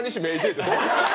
って